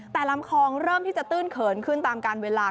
แต่ลำคลองเริ่มที่จะตื้นเขินขึ้นตามการเวลา